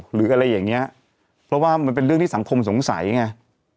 หรืออะไรอย่างเงี้ยเพราะว่ามันเป็นเรื่องที่สังคมสงสัยไง